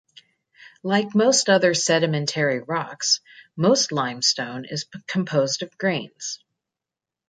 Like most other sedimentary rocks, most limestone is composed of grains.